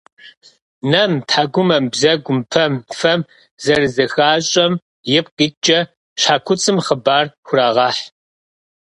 Нэм, тхьэкӏумэм, бзэгум, пэм, фэм зэрызыхащӏэм ипкъ иткӏэ щхьэкуцӏым хъыбар «хурагъэхь».